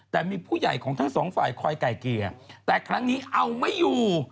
แต่มีผู้ใหญ่ของทั้งสองฝ่ายคอยไก่เกลี่ยแต่ครั้งนี้เอาไม่อยู่